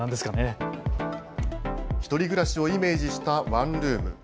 １人暮らしをイメージしたワンルーム。